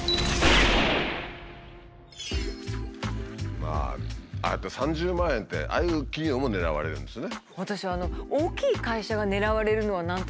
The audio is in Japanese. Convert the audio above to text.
まあああやって３０万円ってああいう企業も狙われるんですね。